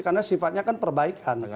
karena sifatnya kan perbaikan